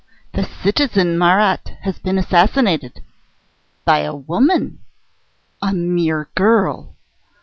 "The citizen Marat has been assassinated." "By a woman." "A mere girl."